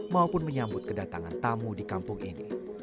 maupun menyambut kedatangan tamu di kampung ini